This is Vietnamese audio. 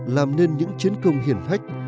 làm nên những chiến công hiển hách